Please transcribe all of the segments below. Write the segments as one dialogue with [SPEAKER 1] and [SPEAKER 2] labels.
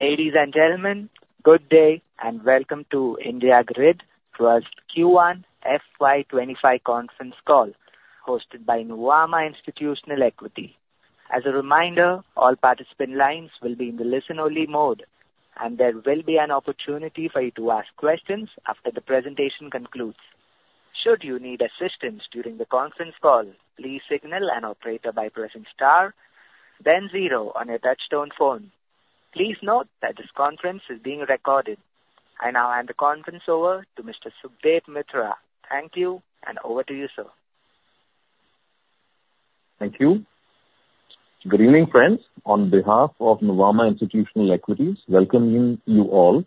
[SPEAKER 1] Ladies and gentlemen, good day, and welcome to IndiGrid Q1 FY 2025 conference call, hosted by Nuvama Institutional Equities. As a reminder, all participant lines will be in the listen-only mode, and there will be an opportunity for you to ask questions after the presentation concludes. Should you need assistance during the conference call, please signal an operator by pressing star then zero on your touchtone phone. Please note that this conference is being recorded. I now hand the conference over to Mr. Subhadip Mitra. Thank you, and over to you, sir.
[SPEAKER 2] Thank you. Good evening, friends. On behalf of Nuvama Institutional Equities, welcoming you all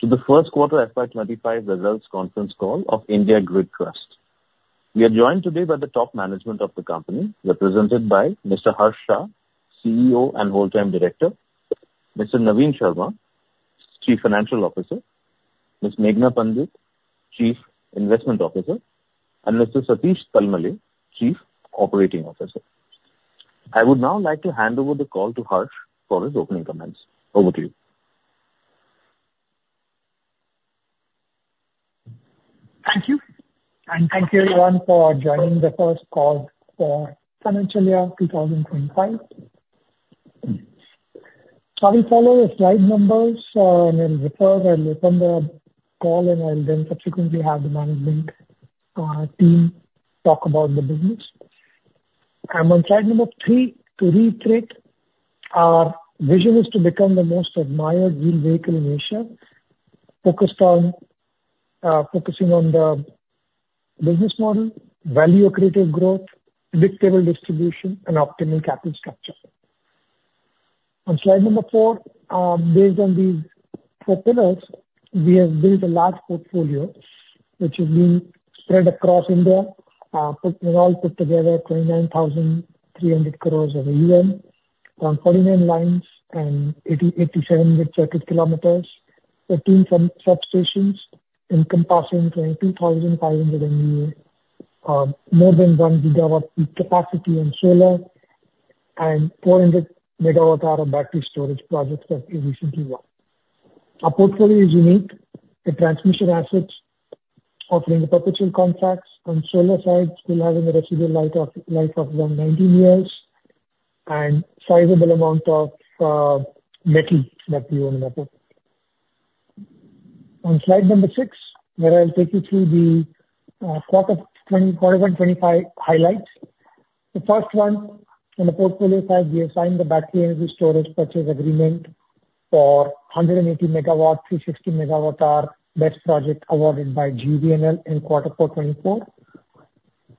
[SPEAKER 2] to the first quarter FY 25 results conference call of India Grid Trust. We are joined today by the top management of the company, represented by Mr. Harsh Shah, CEO and whole-time director, Mr. Naveen Sharma, Chief Financial Officer, Ms. Meghana Pandit, Chief Investment Officer, and Mr. Satish Talmale, Chief Operating Officer. I would now like to hand over the call to Harsh for his opening comments. Over to you.
[SPEAKER 3] Thank you, and thank you, everyone, for joining the first call for financial year 2025. I will follow the slide numbers, and then refer and open the call, and I'll then subsequently have the management team talk about the business. I'm on slide number three. To reiterate, our vision is to become the most admired yield vehicle in Asia, focused on focusing on the business model, value-accretive growth, predictable distribution, and optimal capital structure. On slide number four, based on these four pillars, we have built a large portfolio which has been spread across India. Put together, 29,300 crore of AUM on 49 lines and 8,700 circuit km, 13 substations encompassing 22,500 MVA, more than 1 gigawatt peak capacity in solar and 400 MWh of battery storage projects that we recently won. Our portfolio is unique. The transmission assets offering perpetual contracts, on solar side, still having a residual life of around 19 years and sizable amount of lithium that we own in the portfolio. On slide number six, where I'll take you through the quarter 2024 and 2025 highlights. The first one, on the portfolio side, we have signed the battery energy storage purchase agreement for 180 MW, 360 MWh BESS project awarded by GUVNL in quarter four 2024.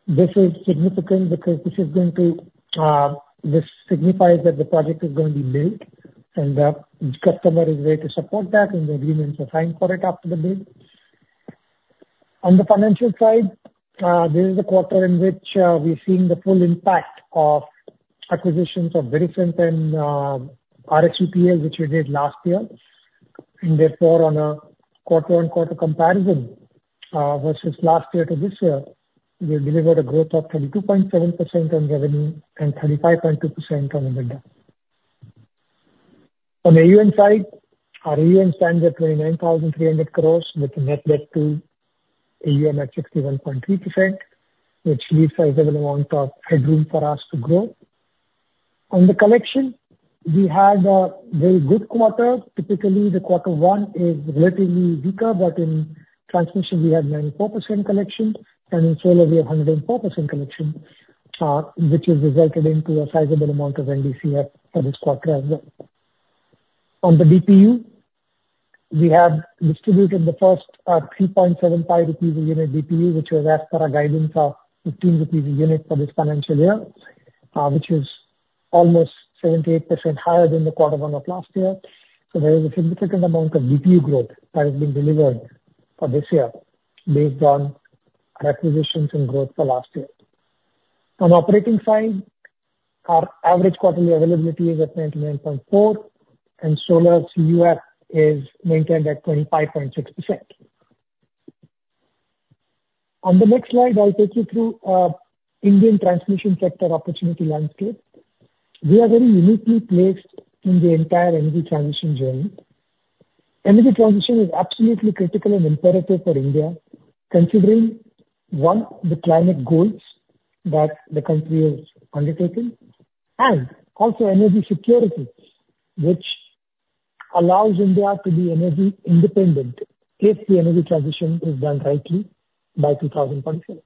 [SPEAKER 3] This is significant because this is going to, this signifies that the project is going to be built, and the customer is ready to support that, and the agreements are signed for it after the build. On the financial side, this is the quarter in which, we're seeing the full impact of acquisitions of VRET and, RSTCL, which we did last year, and therefore, on a quarter-on-quarter comparison, versus last year to this year, we've delivered a growth of 32.7% on revenue and 35.2% on EBITDA. On the AUM side, our AUM stands at 29,300 crore with a net debt to AUM at 61.3%, which leaves a sizable amount of headroom for us to grow. On the collection, we had a very good quarter. Typically, the quarter one is relatively weaker, but in transmission, we had 94% collection, and in solar, we have 104% collection, which has resulted into a sizable amount of NDCF for this quarter as well. On the DPU, we have distributed the first, three point seven five rupees a unit DPU, which was as per our guidance of fifteen rupees a unit for this financial year, which is almost 78% higher than the quarter one of last year. There is a significant amount of DPU growth that has been delivered for this year based on our acquisitions and growth for last year. On operating side, our average quarterly availability is at 99.4, and solar's CUF is maintained at 25.6%. On the next slide, I'll take you through Indian transmission sector opportunity landscape. We are very uniquely placed in the entire energy transition journey. Energy transition is absolutely critical and imperative for India, considering, one, the climate goals that the country has undertaken, and also energy security, which allows India to be energy independent if the energy transition is done rightly by [2030].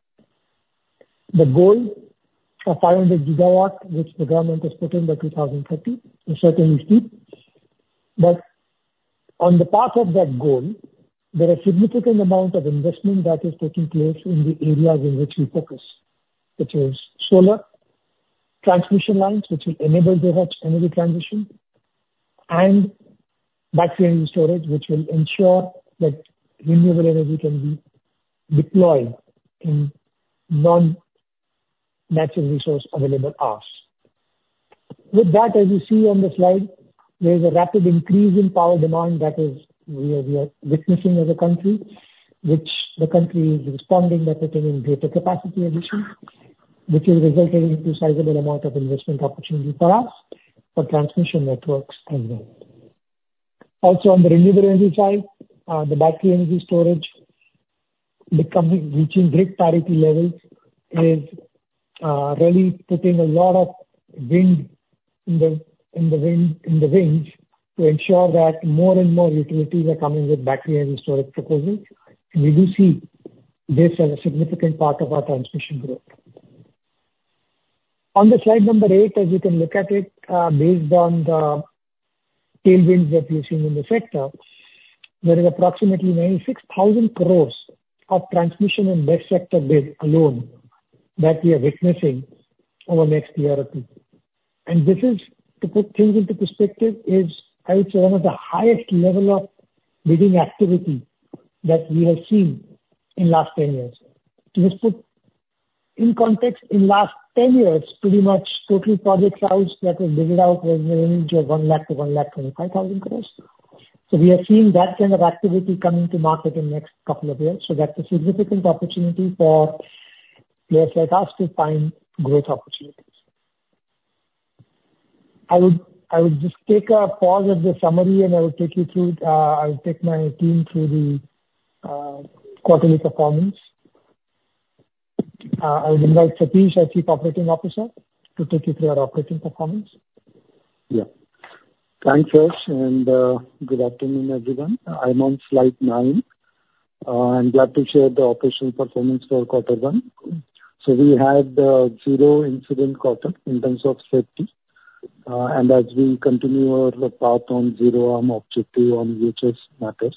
[SPEAKER 3] The goal of 500 GW, which the government has put in by 2030, is certainly steep, but on the path of that goal, there are significant amount of investment that is taking place in the areas in which we focus, which is solar, transmission lines, which will enable the next energy transition, and battery energy storage, which will ensure that renewable energy can be deployed in non-natural resource available hours. With that, as you see on the slide, there is a rapid increase in power demand that is... we are witnessing as a country, which the country is responding by putting in greater capacity addition... which will result in into sizable amount of investment opportunity for us for transmission networks as well. Also, on the renewable energy side, the battery energy storage becoming, reaching grid parity levels is really putting a lot of wind in the, in the wind, in the wings to ensure that more and more utilities are coming with battery and storage proposals, and we do see this as a significant part of our transmission growth. On the slide number 8, as you can look at it, based on the tailwinds that we're seeing in the sector, there is approximately 96,000 crore of transmission and subsector bid alone that we are witnessing over next year or two. And this is, to put things into perspective, is, I would say, one of the highest level of bidding activity that we have seen in last 10 years. To just put in context, in last 10 years, pretty much total project size that was bidded out was in the range of 100,000-125,000 crore. So we are seeing that kind of activity coming to market in next couple of years, so that's a significant opportunity for players like us to find great opportunities. I would, I would just take a pause at the summary, and I will take you through, I'll take my team through the, quarterly performance. I will invite Satish, our Chief Operating Officer, to take you through our operating performance.
[SPEAKER 4] Yeah. Thanks, Ash, and good afternoon, everyone. I'm on slide nine. I'm glad to share the operational performance for quarter one. So we had 0 incident quarter in terms of safety. And as we continue our path on zero harm objective which matters.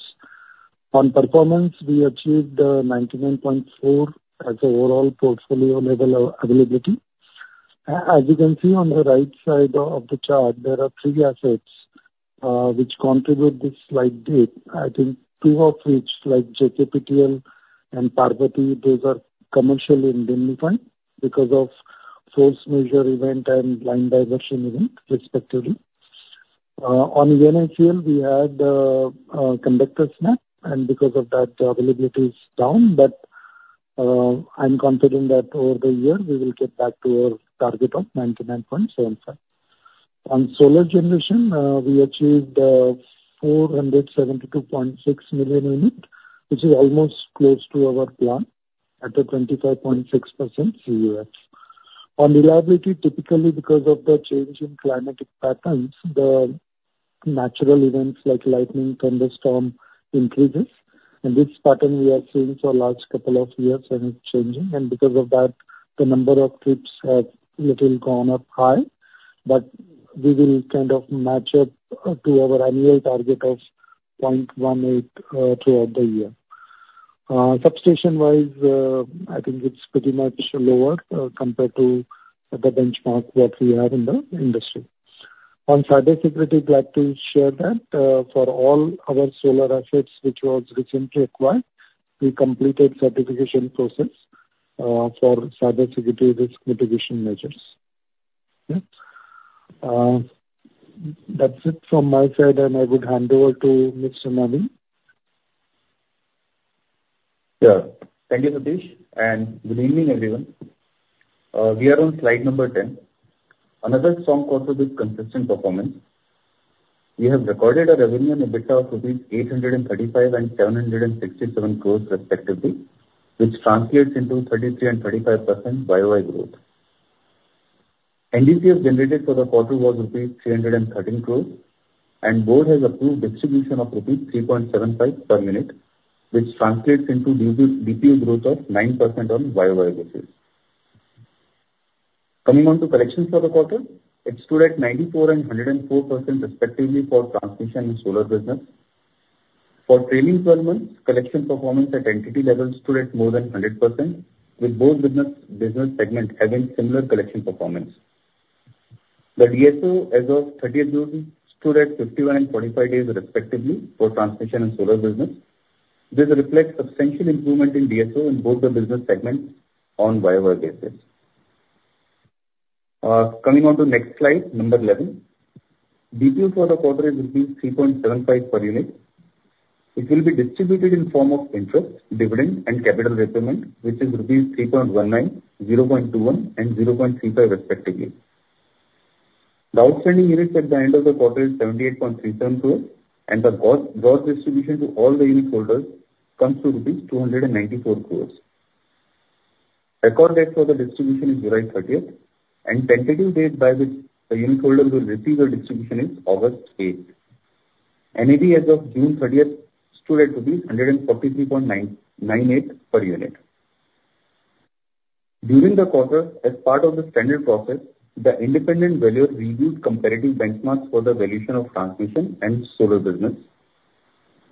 [SPEAKER 4] On performance, we achieved 99.4% as overall portfolio level availability. As you can see on the right side of the chart, there are three assets which contribute this slight dip. I think two of which, like JKTPL and Parbati, those are commercially indemnified because of force majeure event and line diversion event, respectively. On ENICL, we had a conductor snap, and because of that, the availability is down, but I'm confident that over the year, we will get back to our target of 99.75%. On solar generation, we achieved 472.6 million unit, which is almost close to our plan, at a 25.6% CUF. On reliability, typically because of the change in climatic patterns, the natural events like lightning, thunderstorm increases, and this pattern we are seeing for last couple of years and it's changing. And because of that, the number of trips has little gone up high, but we will kind of match up to our annual target of 0.18 throughout the year. Substation-wise, I think it's pretty much lower compared to the benchmark that we have in the industry. On cybersecurity, I'd like to share that for all our solar assets, which was recently acquired, we completed certification process for cybersecurity risk mitigation measures. Okay. That's it from my side, and I would hand over to Mr. Naveen.
[SPEAKER 5] Yeah. Thank you, Satish, and good evening, everyone. We are on slide number 10. Another strong quarter with consistent performance. We have recorded a revenue and EBITDA of 835 crores and 767 crores respectively, which translates into 33% and 35% YoY growth. NDCF generated for the quarter was rupees 313 crores, and board has approved distribution of rupees 3.75 per unit, which translates into DPU growth of 9% on YoY basis. Coming on to collections for the quarter, it stood at 94% and 104% respectively for transmission and solar business. For trailing twelve months, collection performance at entity level stood at more than 100%, with both business, business segment having similar collection performance. The DSO as of 30th June stood at 51 and 45 days respectively for transmission and solar business. This reflects substantial improvement in DSO in both the business segments on year-over-year basis. Coming on to next slide, number 11. DPU for the quarter is rupees 3.75 per unit. It will be distributed in form of interest, dividend and capital repayment, which is rupees 3.19, 0.21, and 0.35 respectively. The outstanding units at the end of the quarter is 78.37 crore, and the gross distribution to all the unit holders comes to rupees 294 crore. Record date for the distribution is July 30th, and tentative date by which the unitholders will receive their distribution is August 8th. NAV as of June thirtieth stood at 143.998 per unit. During the quarter, as part of the standard process, the independent valuer reviewed comparative benchmarks for the valuation of transmission and solar business.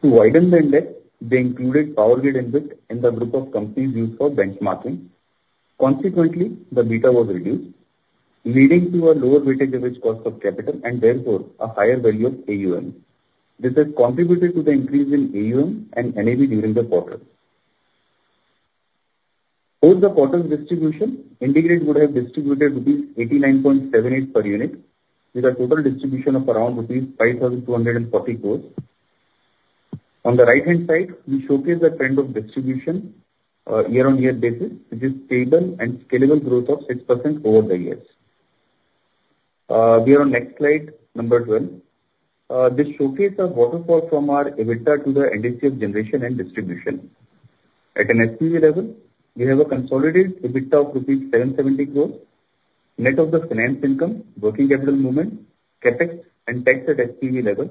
[SPEAKER 5] To widen the index, they included PowerGrid InvIT in the group of companies used for benchmarking. Consequently, the beta was reduced, leading to a lower weighted average cost of capital and therefore a higher value of AUM. This has contributed to the increase in AUM and NAV during the quarter. For the quarter distribution, IndiGrid would have distributed rupees 89.78 per unit, with a total distribution of around rupees 5,240 crore.... On the right-hand side, we showcase the trend of distribution, year-on-year basis, which is stable and scalable growth of 6% over the years. We are on next slide, number 12. This showcase of waterfall from our EBITDA to the NDCF generation and distribution. At an SPV level, we have a consolidated EBITDA of INR 770 crores, net of the finance income, working capital movement, CapEx, and tax at SPV level.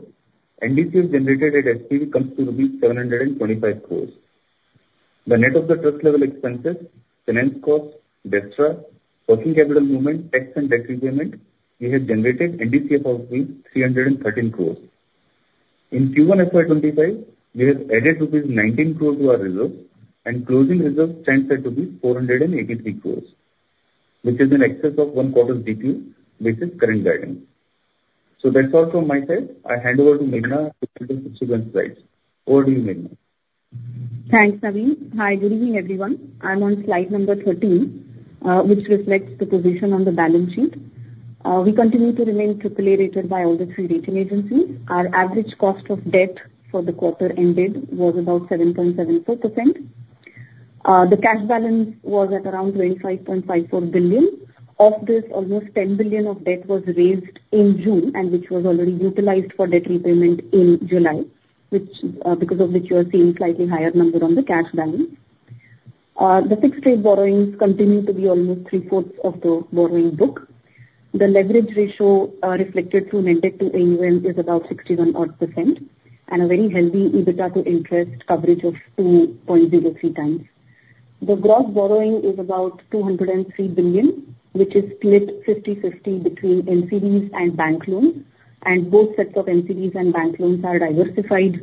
[SPEAKER 5] NDCF generated at SPV comes to 725 crores. The net of the trust level expenses, finance cost, DSRA, working capital movement, tax and debt repayment, we have generated NDCF of 313 crores. In Q1 FY 2025, we have added rupees 19 crores to our reserve, and closing reserve stands at to be 483 crores, which is in excess of one quarter DPU, which is current guidance. So that's all from my side. I hand over to Meghana to take you through the next slides. Over to you, Meghana.
[SPEAKER 6] Thanks, Naveen. Hi, good evening, everyone. I'm on slide number 13, which reflects the position on the balance sheet. We continue to remain AAA rated by all the three rating agencies. Our average cost of debt for the quarter ended was about 7.74%. The cash balance was at around 25.54 billion. Of this, almost 10 billion of debt was raised in June, and which was already utilized for debt repayment in July, which, because of which you are seeing slightly higher number on the cash balance. The fixed rate borrowings continue to be almost three-fourths of the borrowing book. The leverage ratio, reflected through net debt to AUM is about 61%, and a very healthy EBITDA to interest coverage of 2.03 times. The gross borrowing is about 203 billion, which is split 50/50 between NCDs and bank loans. Both sets of NCDs and bank loans are diversified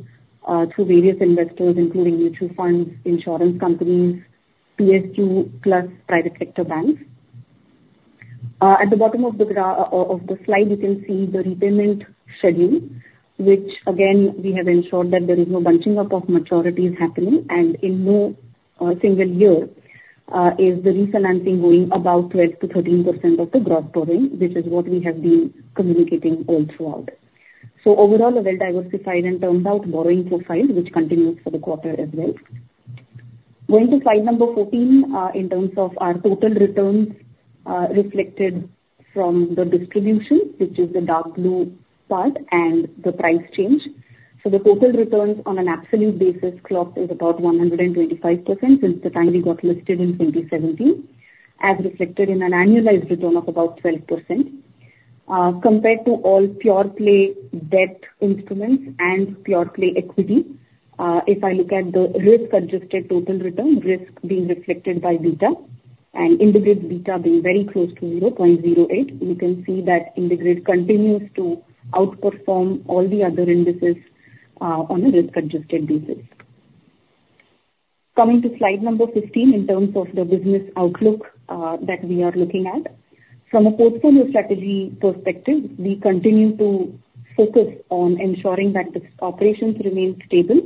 [SPEAKER 6] through various investors, including mutual funds, insurance companies, PSU, plus private sector banks. At the bottom of the slide, you can see the repayment schedule, which again, we have ensured that there is no bunching up of maturities happening. In no single year is the refinancing going above 12%-13% of the gross borrowing, which is what we have been communicating all throughout. Overall, a well-diversified and turned out borrowing profile, which continues for the quarter as well. Going to slide 14, in terms of our total returns, reflected from the distribution, which is the dark blue part and the price change. So the total returns on an absolute basis clocked is about 125% since the time we got listed in 2017, as reflected in an annualized return of about 12%. Compared to all pure play debt instruments and pure play equity, if I look at the risk-adjusted total return, risk being reflected by beta, and IndiGrid beta being very close to 0.08, you can see that IndiGrid continues to outperform all the other indices, on a risk-adjusted basis. Coming to slide number 15, in terms of the business outlook, that we are looking at. From a portfolio strategy perspective, we continue to focus on ensuring that the operations remain stable,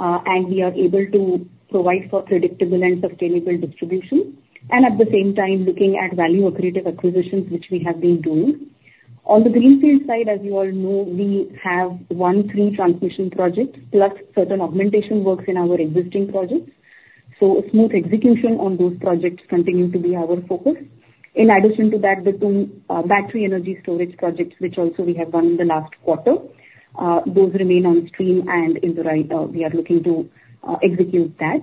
[SPEAKER 6] and we are able to provide for predictable and sustainable distribution, and at the same time, looking at value accretive acquisitions, which we have been doing. On the greenfield side, as you all know, we have 13 transmission projects, plus certain augmentation works in our existing projects, so a smooth execution on those projects continue to be our focus. In addition to that, the two battery energy storage projects, which also we have won in the last quarter, those remain on stream and in the right, we are looking to execute that.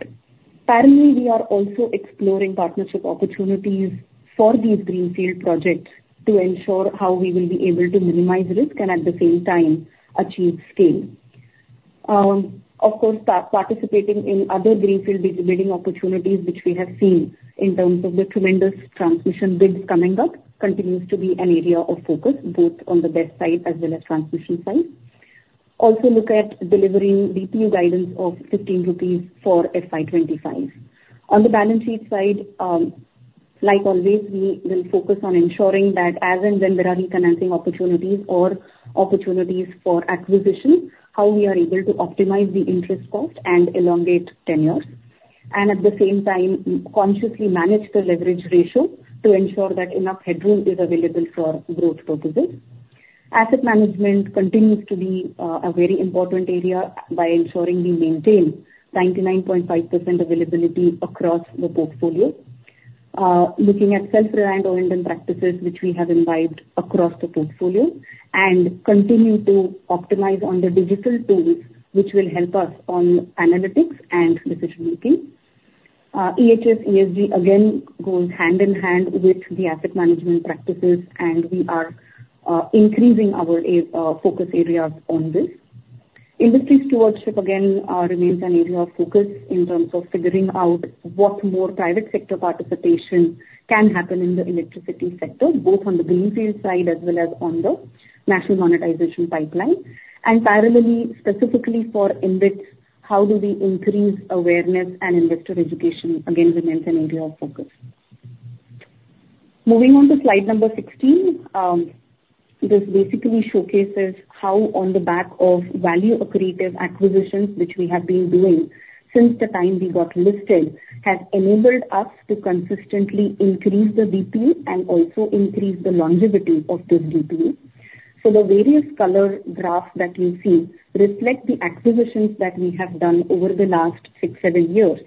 [SPEAKER 6] Finally, we are also exploring partnership opportunities for these greenfield projects to ensure how we will be able to minimize risk and at the same time achieve scale. Of course, participating in other greenfield bidding opportunities, which we have seen in terms of the tremendous transmission bids coming up, continues to be an area of focus, both on the debt side as well as transmission side. Also look at delivering DPU guidance of 15 rupees for FY 2025. On the balance sheet side, like always, we will focus on ensuring that as and when there are refinancing opportunities or opportunities for acquisition, how we are able to optimize the interest cost and elongate tenure. And at the same time, consciously manage the leverage ratio to ensure that enough headroom is available for growth purposes. Asset management continues to be a very important area by ensuring we maintain 99.5% availability across the portfolio. Looking at self-reliant oriented practices, which we have imbibed across the portfolio, and continue to optimize on the digital tools, which will help us on analytics and decision making. EHS, ESG again, goes hand in hand with the asset management practices, and we are increasing our focus areas on this. Industry stewardship again remains an area of focus in terms of figuring out what more private sector participation can happen in the electricity sector, both on the greenfield side as well as on the national monetization pipeline. Parallelly, specifically for InvIT, how do we increase awareness and investor education again, remains an area of focus. Moving on to slide number 16. This basically showcases how on the back of value accretive acquisitions, which we have been doing-... since the time we got listed, has enabled us to consistently increase the DPU and also increase the longevity of this DPU. So the various color graphs that you see reflect the acquisitions that we have done over the last 6-7 years.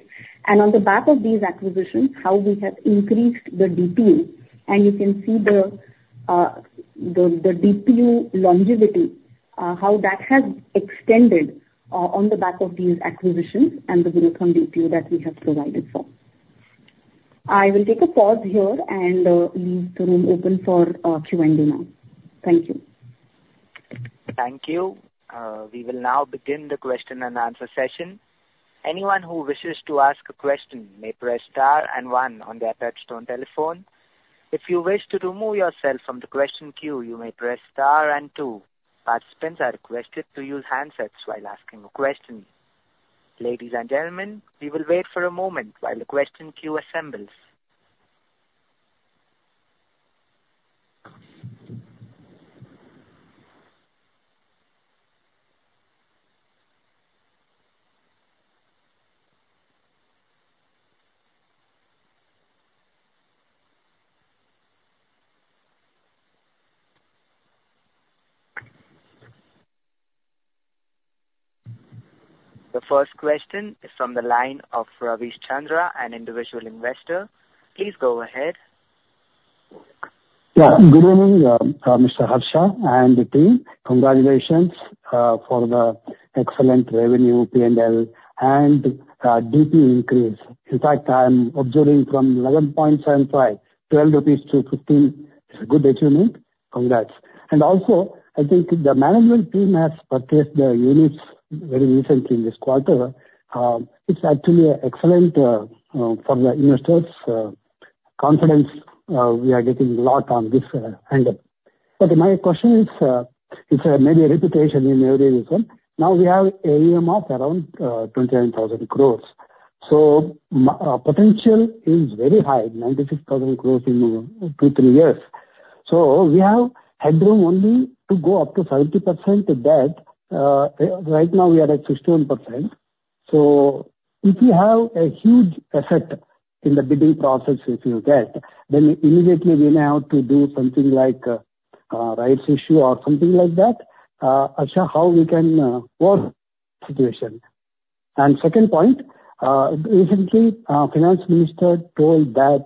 [SPEAKER 6] And on the back of these acquisitions, how we have increased the DPU, and you can see the the DPU longevity, how that has extended, on the back of these acquisitions and the Virescent DPU that we have provided for. I will take a pause here and leave the room open for Q&A now. Thank you.
[SPEAKER 1] Thank you. We will now begin the question and answer session. Anyone who wishes to ask a question may press star and one on their touch-tone telephone. If you wish to remove yourself from the question queue, you may press star and two. Participants are requested to use handsets while asking a question. Ladies and gentlemen, we will wait for a moment while the question queue assembles. The first question is from the line of Ravichandra, an individual investor. Please go ahead.
[SPEAKER 7] Yeah. Good morning, Mr. Harsh and the team. Congratulations for the excellent revenue, P&L, and DPU increase. In fact, I'm observing from 11.75, 12 rupees to 15 is a good achievement. Congrats. Also, I think the management team has purchased the units very recently in this quarter. It's actually excellent from the investors confidence we are getting a lot on this angle. But my question is, it's maybe a repetition in every reason. Now we have AUM of around 29,000 crore, so potential is very high, 96,000 crore in 2-3 years. So we have headroom only to go up to 40% of that. Right now we are at 16%. So if you have a huge asset in the bidding process, if you get, then immediately we may have to do something like, rights issue or something like that. Actually, how we can, work situation? And second point, recently, finance minister told that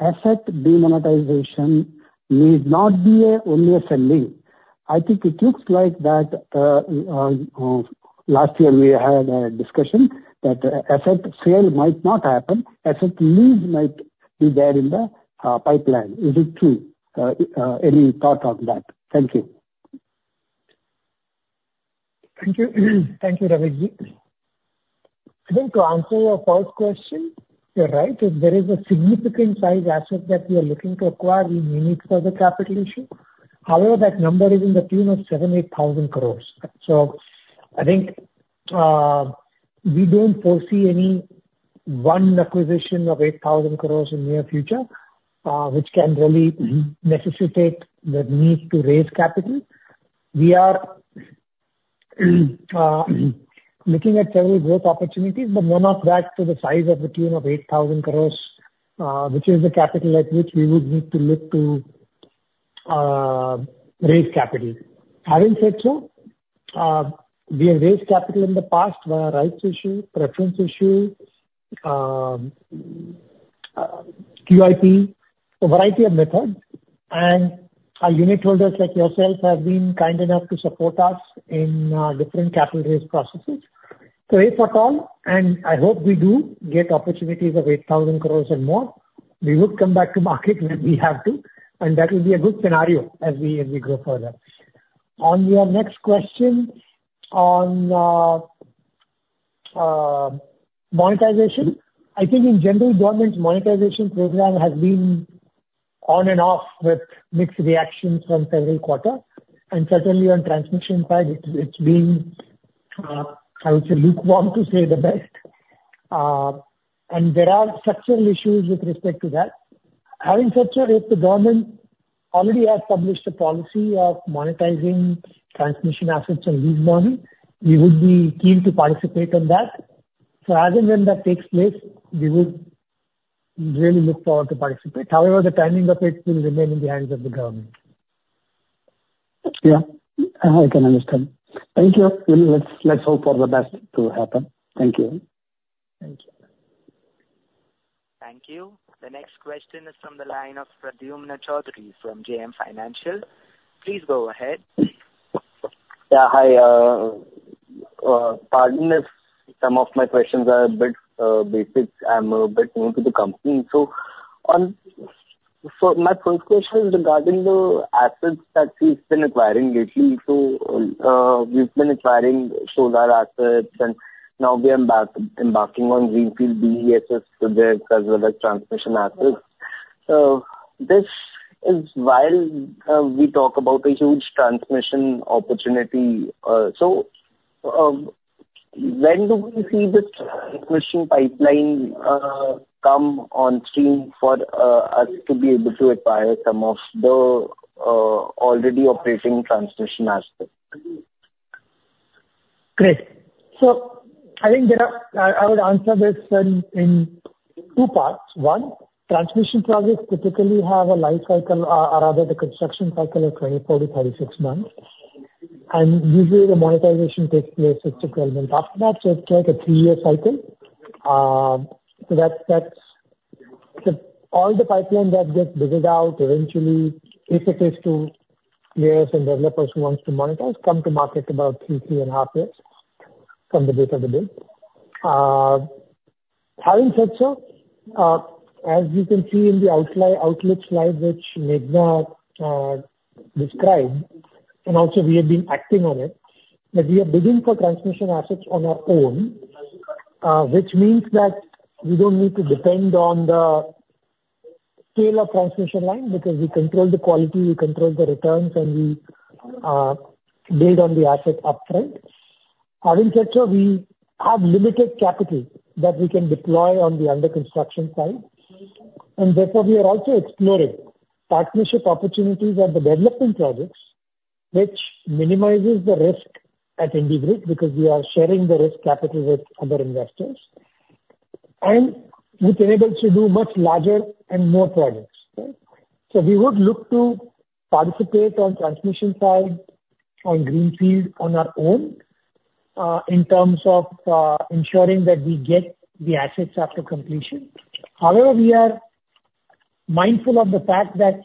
[SPEAKER 7] asset monetization need not be only a selling. I think it looks like that, last year we had a discussion that asset sale might not happen, asset lease might be there in the, pipeline. Is it true? Any thought on that? Thank you.
[SPEAKER 3] Thank you. Thank you, Ravichandra. I think to answer your first question, you're right. If there is a significant size asset that we are looking to acquire, we may need further capital issue. However, that number is in the tune of 7,000 crore-8,000 crore. So I think, we don't foresee any one acquisition of 8,000 crore in near future, which can really necessitate the need to raise capital. We are, looking at several growth opportunities, but none of that to the size of the tune of 8,000 crore, which is the capital at which we would need to look to, raise capital. Having said so, we have raised capital in the past via rights issue, preference issue, QIP, a variety of methods, and our unit holders like yourself, have been kind enough to support us in, different capital raise processes. So if at all, and I hope we do get opportunities of 8,000 crore and more, we would come back to market when we have to, and that will be a good scenario as we, as we go further. On your next question on, monetization, I think in general, government's monetization program has been on and off with mixed reactions from several quarter, and certainly on transmission side, it, it's been, I would say lukewarm, to say the best. And there are structural issues with respect to that. Having said so, if the government already has published a policy of monetizing transmission assets and lease bonding, we would be keen to participate on that. So as and when that takes place, we would really look forward to participate. However, the timing of it will remain in the hands of the government.
[SPEAKER 7] Yeah. I can understand. Thank you. Let's, let's hope for the best to happen. Thank you.
[SPEAKER 3] Thank you.
[SPEAKER 1] Thank you. The next question is from the line of Pradyumna Choudhary from JM Financial. Please go ahead.
[SPEAKER 8] Yeah, hi. Pardon if some of my questions are a bit basic. I'm a bit new to the company. So my first question is regarding the assets that you've been acquiring lately. So, you've been acquiring solar assets, and now we are embarking on greenfield BESS projects as well as transmission assets. So this is while we talk about a huge transmission opportunity. So, when do we see this transmission pipeline come on stream for us to be able to acquire some of the already operating transmission assets?...
[SPEAKER 3] Great! So I think there are, I would answer this in two parts. One, transmission projects typically have a life cycle, or rather the construction cycle of 24-36 months, and usually the monetization takes place 6-12 months after that. So it's like a 3-year cycle. So that's all the pipeline that gets bid out eventually, if it is to players and developers who wants to monetize, come to market about 3-3.5 years from the date of the bid. Having said so, as you can see in the outlook slide, which Meghana described, and also we have been acting on it, that we are bidding for transmission assets on our own, which means that we don't need to depend on the scale of transmission line because we control the quality, we control the returns, and we bid on the asset upfront. Having said so, we have limited capital that we can deploy on the under construction side, and therefore we are also exploring partnership opportunities at the development projects, which minimizes the risk at IndiGrid, because we are sharing the risk capital with other investors, and which enables to do much larger and more projects, right? So we would look to participate on transmission side, on greenfield, on our own, in terms of ensuring that we get the assets after completion. However, we are mindful of the fact that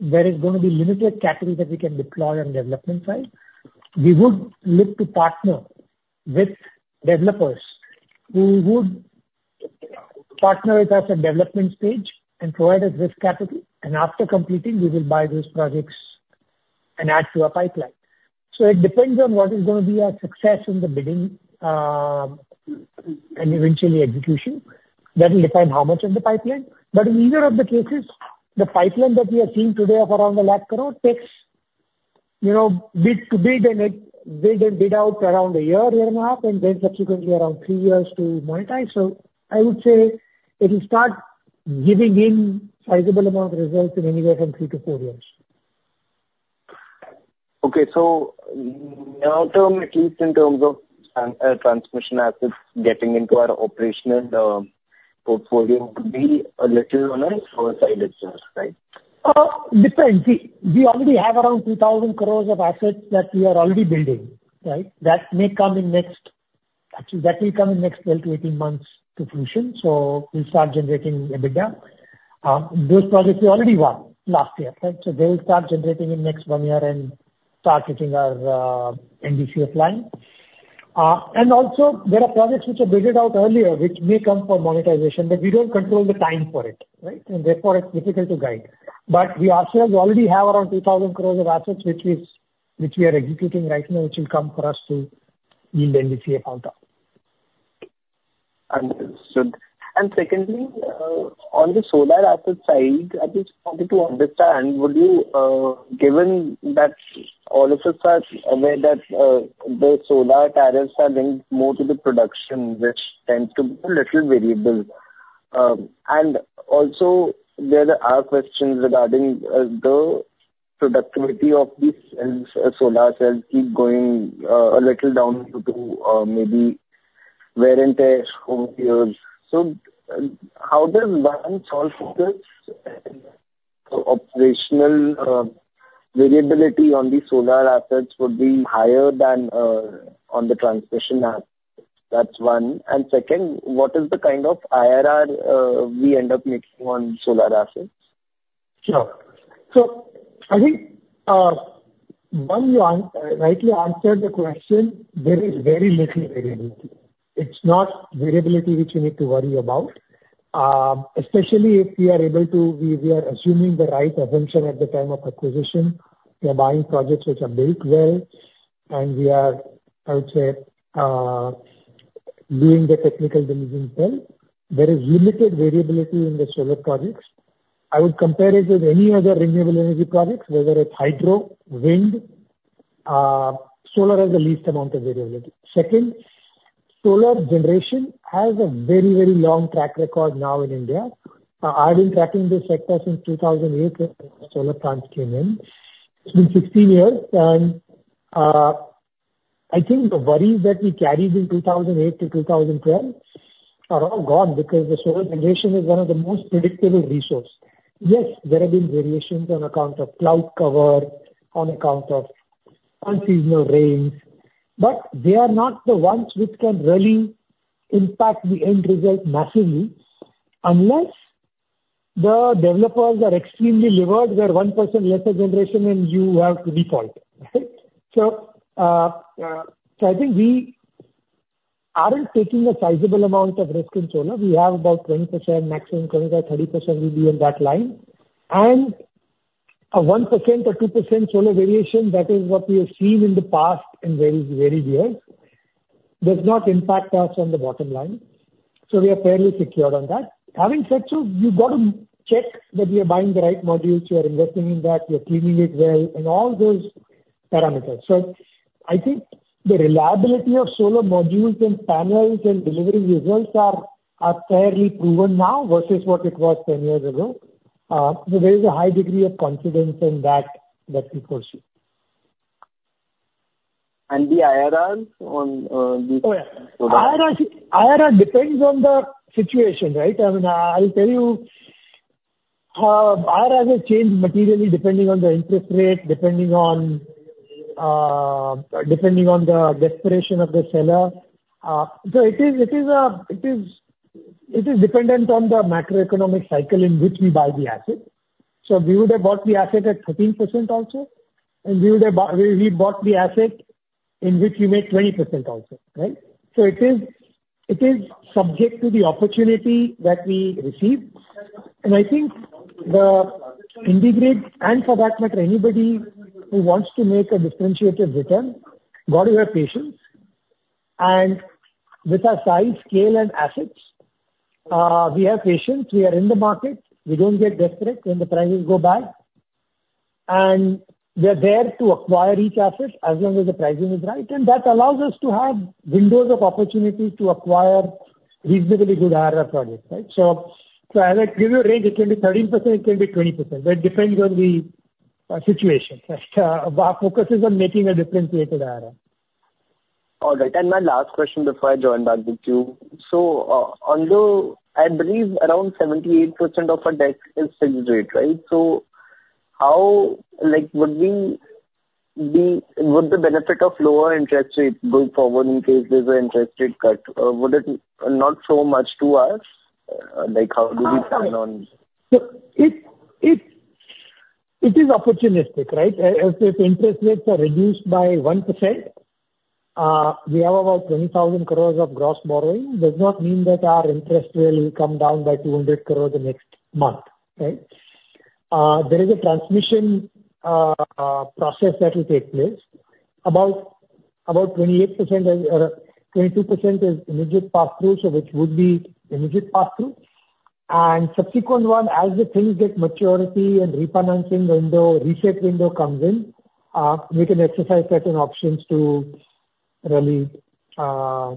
[SPEAKER 3] there is gonna be limited capital that we can deploy on development side. We would look to partner with developers who would partner with us at development stage and provide us risk capital, and after completing, we will buy those projects and add to our pipeline. So it depends on what is gonna be our success in the bidding and eventually execution. That will define how much in the pipeline, but in either of the cases, the pipeline that we are seeing today of around 100,000 crore takes, you know, bid to bid and it build and bid out around one year, one year and a half, and then subsequently around three years to monetize. So I would say it will start giving in sizable amount of results in anywhere from three to four years.
[SPEAKER 8] Okay, so near term, at least in terms of transmission assets, getting into our operational portfolio would be a little on a slower side as well, right?
[SPEAKER 3] Depends. We already have around 2,000 crore of assets that we are already building, right? That may come in next, actually, that will come in next 12-18 months to fruition, so we'll start generating EBITDA. Those projects we already won last year, right? So they will start generating in next one year and start hitting our NDCF line. And also there are projects which are bidded out earlier, which may come for monetization, but we don't control the time for it, right? And therefore it's difficult to guide. But we also already have around 2,000 crore of assets, which we are executing right now, which will come for us to yield NDCF out of.
[SPEAKER 8] Understood. And secondly, on the solar asset side, I just wanted to understand, would you, given that all of us are aware that the solar tariffs are linked more to the production, which tends to be a little variable. And also there are questions regarding the productivity of these cells, solar cells keep going a little down due to maybe wear and tear over years. So, how does one solve for this? Operational variability on the solar assets would be higher than on the transmission asset. That's one. And second, what is the kind of IRR we end up making on solar assets?
[SPEAKER 3] Sure. So I think, one, you rightly answered the question. There is very little variability. It's not variability which we need to worry about, especially if we are able to, we are assuming the right assumption at the time of acquisition. We are buying projects which are bid well, and we are, I would say, doing the technical diligence well. There is limited variability in the solar projects. I would compare it with any other renewable energy projects, whether it's hydro, wind, solar has the least amount of variability. Second, solar generation has a very, very long track record now in India. I've been tracking this sector since 2008, when solar plants came in. It's been 16 years and, I think the worries that we carried in 2008 to 2010 are all gone because the solar generation is one of the most predictable resource. Yes, there have been variations on account of cloud cover, on account of unseasonal rains, but they are not the ones which can really impact the end result massively, unless the developers are extremely levered, where 1% lesser generation and you have to default, right? So, so I think we aren't taking a sizable amount of risk in solar. We have about 20% maximum, 30% will be on that line. And a 1% or 2% solar variation, that is what we have seen in the past and very, very rare, does not impact us on the bottom line. So we are fairly secured on that. Having said so, you've got to check that you're buying the right modules, you are investing in that, you're cleaning it well, and all those parameters. So I think the reliability of solar modules and panels and delivery results are fairly proven now versus what it was 10 years ago. So there is a high degree of confidence in that we foresee.
[SPEAKER 8] The IRRs on these-
[SPEAKER 3] Oh, yeah. IRR, IRR depends on the situation, right? I mean, I'll tell you, IRR has changed materially depending on the interest rate, depending on, depending on the desperation of the seller. So it is, it is, it is, it is dependent on the macroeconomic cycle in which we buy the asset. So we would have bought the asset at 13% also, and we would have bought—we, we bought the asset in which we make 20% also, right? So it is, it is subject to the opportunity that we receive. And I think the IndiGrid, and for that matter, anybody who wants to make a differentiated return, got to have patience. And with our size, scale, and assets, we have patience. We are in the market. We don't get desperate when the prices go by. We're there to acquire each asset as long as the pricing is right, and that allows us to have windows of opportunity to acquire reasonably good IRR projects, right? So, so I, like, give you a range, it can be 13%, it can be 20%. That depends on the situation. Our focus is on making a differentiated IRR.
[SPEAKER 8] All right. And my last question before I join back with you. So, although I believe around 78% of our debt is fixed rate, right? So how... Like, would the benefit of lower interest rate going forward in case there's an interest rate cut, would it not so much to us? Like, how do we plan on-
[SPEAKER 3] So it is opportunistic, right? If interest rates are reduced by 1%, we have about 20,000 crore of gross borrowing, does not mean that our interest rate will come down by 200 crore the next month, right? There is a transmission process that will take place. About 28% is 22% immediate pass-through, so which would be immediate pass-through. And subsequent one, as the things get maturity and refinancing window, reset window comes in, we can exercise certain options to really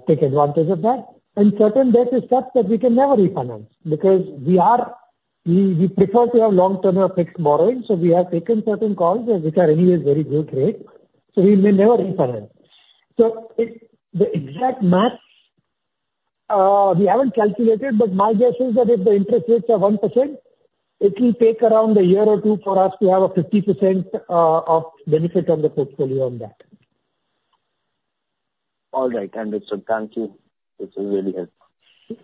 [SPEAKER 3] take advantage of that. And certain debt is such that we can never refinance because we prefer to have long-term or fixed borrowing, so we have taken certain calls which are anyway very good rate, so we may never refinance. So the exact math, we haven't calculated, but my guess is that if the interest rates are 1%, it will take around a year or two for us to have a 50% of benefit on the portfolio on that.
[SPEAKER 8] All right. Understood. Thank you. This is really helpful.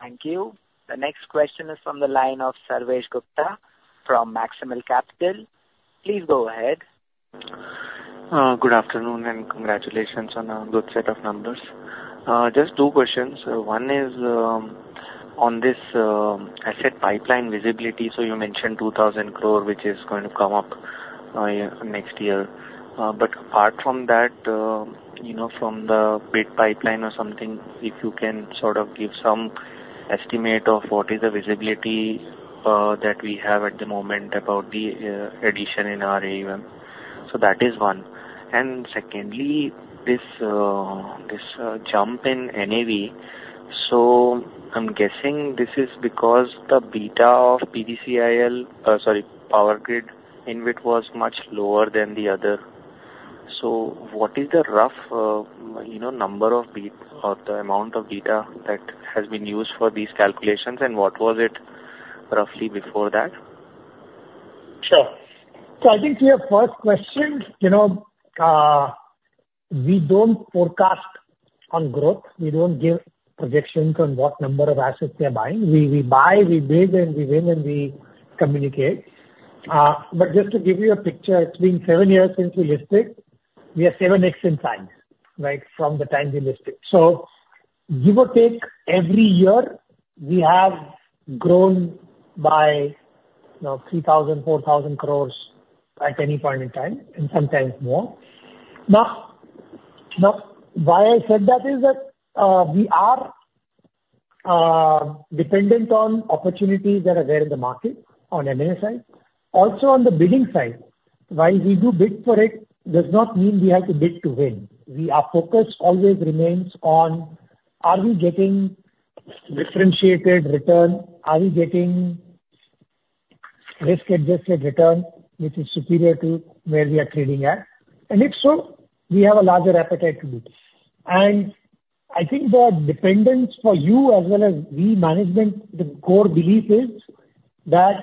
[SPEAKER 1] Thank you. The next question is from the line of Sarvesh Gupta from Maximal Capital. Please go ahead.
[SPEAKER 9] Good afternoon, and congratulations on a good set of numbers. Just two questions. One is, on this, asset pipeline visibility. So you mentioned 2,000 crore, which is going to come up next year. But apart from that, you know, from the bid pipeline or something, if you can sort of give some estimate of what is the visibility, that we have at the moment about the, addition in our AUM. So that is one. And secondly, this, this, jump in NAV. So I'm guessing this is because the beta of PGCIL, sorry, Power Grid in which was much lower than the other. So what is the rough, you know, number of be- or the amount of beta that has been used for these calculations, and what was it roughly before that?
[SPEAKER 3] Sure. So I think to your first question, you know, we don't forecast on growth. We don't give projections on what number of assets we are buying. We buy, we bid, and we win, and we communicate. But just to give you a picture, it's been 7 years since we listed. We are 7x in size, right, from the time we listed. So give or take, every year, we have grown by, you know, 3,000 crore-4,000 crore at any point in time, and sometimes more. Now, why I said that is that, we are dependent on opportunities that are there in the market on M&A side. Also on the bidding side, while we do bid for it, does not mean we have to bid to win. Our focus always remains on: Are we getting differentiated return? Are we getting risk-adjusted return which is superior to where we are trading at? And if so, we have a larger appetite to bid. And I think the dependence for you as well as we management, the core belief is that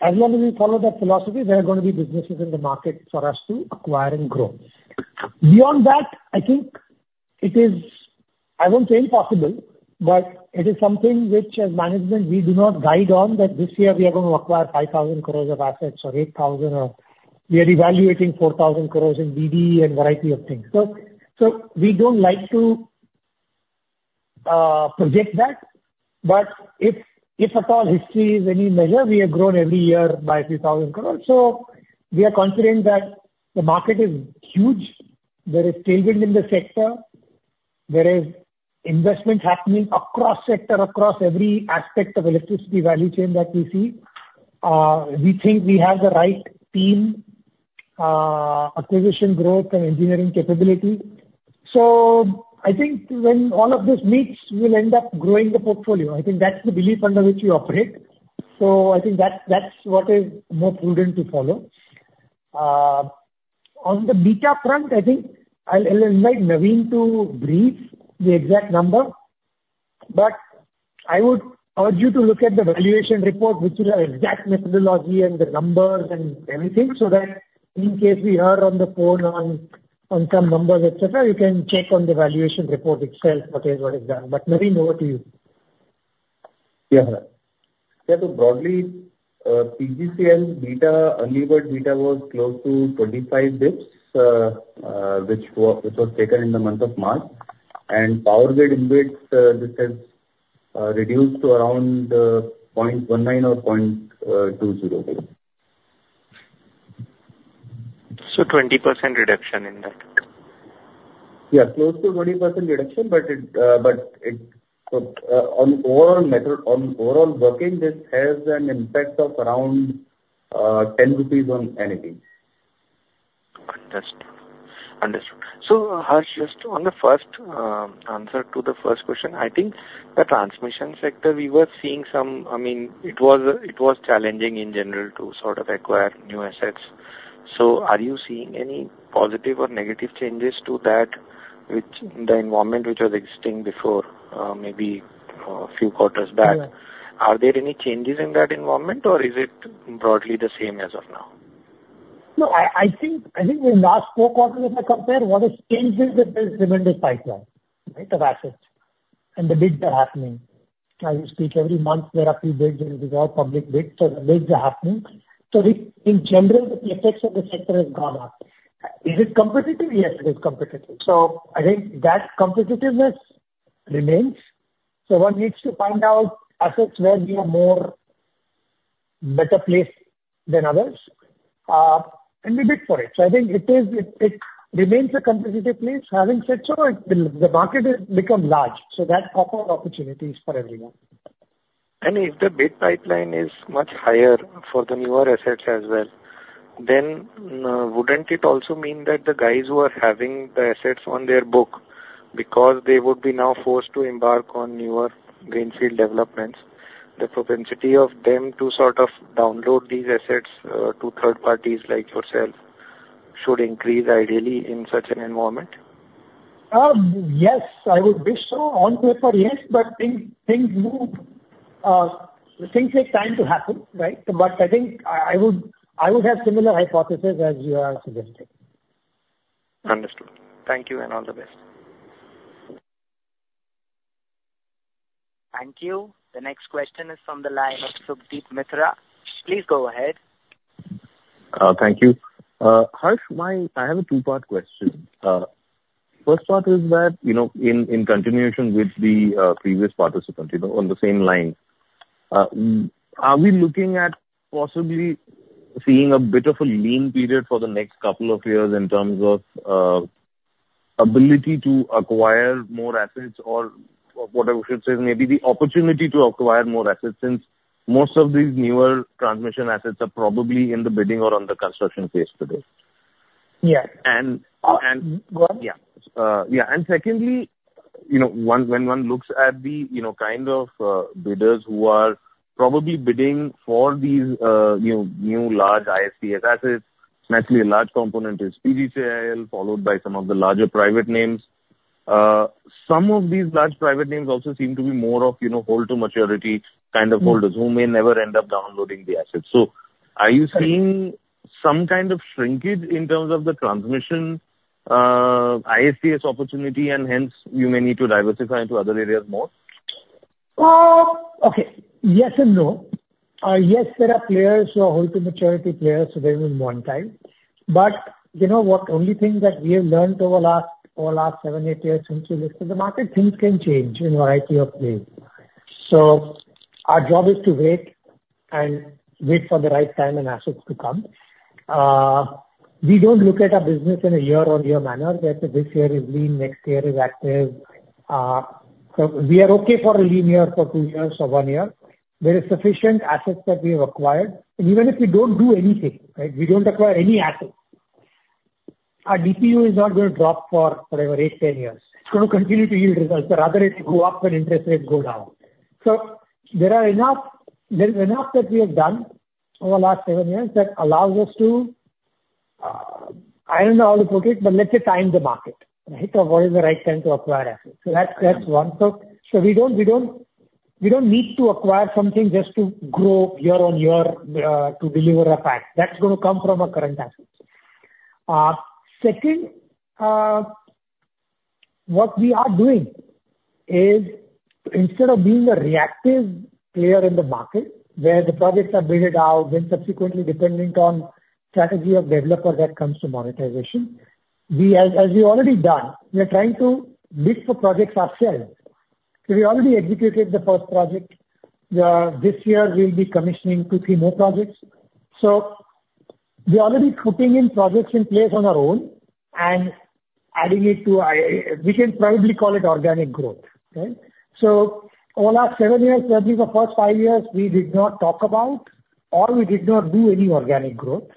[SPEAKER 3] as long as we follow that philosophy, there are gonna be businesses in the market for us to acquire and grow. Beyond that, I think it is, I won't say impossible, but it is something which as management, we do not guide on, that this year we are going to acquire 5,000 crore of assets or eight thousand or we are evaluating 4,000 crore in BD and variety of things. So, so we don't like to, project that, but if, if at all history is any measure, we have grown every year by 3,000 crore. So we are confident that the market is huge. There is tailwind in the sector. There is investment happening across sector, across every aspect of electricity value chain that we see. We think we have the right team, acquisition growth and engineering capability. So I think when all of this meets, we'll end up growing the portfolio. I think that's the belief under which we operate, so I think that's what is more prudent to follow. On the beta front, I think I'll invite Naveen to read the exact number, but I would urge you to look at the valuation report, which is our exact methodology and the numbers and everything, so that in case we are on the phone on some numbers, et cetera, you can check on the valuation report itself, what is done. But Naveen, over to you.
[SPEAKER 5] Yeah. Yeah, so broadly, PGCIL beta, early bird beta was close to 25 bits, which was taken in the month of March, and power grid index, this has reduced to around 0.19 or 0.20.
[SPEAKER 9] 20% reduction in that?
[SPEAKER 5] Yeah, close to 20% reduction, but it, but it, on overall method, on overall working, this has an impact of around 10 rupees on NAV.
[SPEAKER 9] Understood. Understood. So Harsh, just on the first answer to the first question, I think the transmission sector, we were seeing some... I mean, it was, it was challenging in general to sort of acquire new assets. So are you seeing any positive or negative changes to that, which, the environment which was existing before, maybe, a few quarters back?
[SPEAKER 3] Yeah.
[SPEAKER 9] Are there any changes in that environment, or is it broadly the same as of now?
[SPEAKER 3] No, I think, I think in the last four quarters, if I compare, what has changed is that there's tremendous pipeline, right, of assets, and the bids are happening. Every month, there are a few bids, and these are all public bids, so the bids are happening. So in general, the effects of the sector has gone up. Is it competitive? Yes, it is competitive. So I think that competitiveness remains, so one needs to find out assets where we are more better placed than others, and we bid for it. So I think it is, it remains a competitive place. Having said so, the market has become large, so that offer opportunities for everyone.
[SPEAKER 9] And if the bid pipeline is much higher for the newer assets as well, then, wouldn't it also mean that the guys who are having the assets on their book, because they would be now forced to embark on newer greenfield developments, the propensity of them to sort of download these assets, to third parties like yourself, should increase ideally in such an environment?
[SPEAKER 3] Yes, I would wish so. On paper, yes, but things move, things take time to happen, right? But I think I would have similar hypothesis as you are suggesting.
[SPEAKER 9] Understood. Thank you, and all the best.
[SPEAKER 1] Thank you. The next question is from the line of Subhadip Mitra. Please go ahead.
[SPEAKER 2] Thank you. Harsh, I have a two-part question. First part is that, you know, in continuation with the previous participant, you know, on the same line, are we looking at possibly seeing a bit of a lean period for the next couple of years in terms of ability to acquire more assets, or what I should say is maybe the opportunity to acquire more assets, since most of these newer transmission assets are probably in the bidding or on the construction phase today?
[SPEAKER 3] Yeah.
[SPEAKER 2] And, and-
[SPEAKER 3] Go on.
[SPEAKER 2] Yeah. Yeah, and secondly, you know, one, when one looks at the, you know, kind of, bidders who are probably bidding for these, you know, new large ISTS assets, naturally a large component is PGCIL, followed by some of the larger private names. Some of these large private names also seem to be more of, you know, hold-to-maturity kind of holders-
[SPEAKER 3] Mm.
[SPEAKER 2] -who may never end up downloading the assets. So are you seeing some kind of shrinkage in terms of the transmission, ISTS opportunity, and hence you may need to diversify into other areas more?
[SPEAKER 3] Okay. Yes and no. Yes, there are players who are hold-to-maturity players, so they will want time. But you know what? The only thing that we have learnt over the last seven, eight years since we listed, the market things can change in a variety of ways. So our job is to wait and wait for the right time and assets to come. We don't look at our business in a year-on-year manner, that this year is lean, next year is active. So we are okay for a lean year, for two years or one year. There is sufficient assets that we have acquired, and even if we don't do anything, right, we don't acquire any assets, our DPU is not going to drop for forever, eight, 10 years. It's going to continue to yield results, or rather it will go up when interest rates go down. So there are enough, there is enough that we have done over the last seven years that allows us to, I don't know how to put it, but let's say time the market, right? So what is the right time to acquire assets. So that's, that's one. So, so we don't, we don't, we don't need to acquire something just to grow year-on-year, to deliver a fact. That's going to come from our current assets. Second, what we are doing is instead of being a reactive player in the market, where the projects are bidded out, then subsequently dependent on strategy of developer that comes to monetization, we have, as we've already done, we are trying to bid for projects ourselves. So we already executed the first project. This year, we'll be commissioning 2-3 more projects. So we're already putting in projects in place on our own, and adding it, we can probably call it organic growth, right? So over last 7 years, probably the first 5 years, we did not talk about or we did not do any organic growth.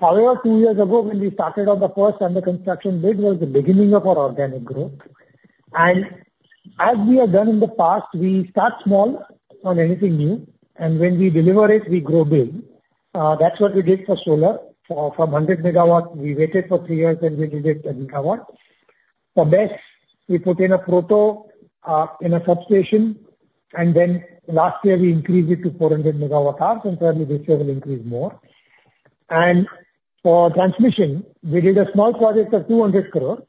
[SPEAKER 3] However, 2 years ago, when we started on the first under construction bid, was the beginning of our organic growth. And as we have done in the past, we start small on anything new, and when we deliver it, we grow big. That's what we did for solar. From 100 MW, we waited for 3 years, and we did 1 GW. For BESS, we put in a proto in a substation, and then last year we increased it to 400 MWh, and probably this year will increase more. For transmission, we did a small project of 200 crore,